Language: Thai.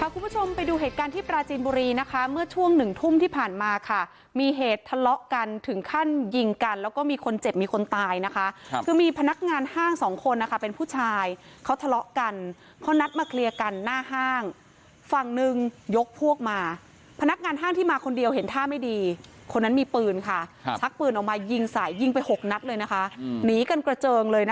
คุณผู้ชมไปดูเหตุการณ์ที่ปราจีนบุรีนะคะเมื่อช่วงหนึ่งทุ่มที่ผ่านมาค่ะมีเหตุทะเลาะกันถึงขั้นยิงกันแล้วก็มีคนเจ็บมีคนตายนะคะคือมีพนักงานห้างสองคนนะคะเป็นผู้ชายเขาทะเลาะกันเขานัดมาเคลียร์กันหน้าห้างฝั่งหนึ่งยกพวกมาพนักงานห้างที่มาคนเดียวเห็นท่าไม่ดีคนนั้นมีปืนค่ะชักปืนออกมายิงใส่ยิงไปหกนัดเลยนะคะหนีกันกระเจิงเลยนะคะ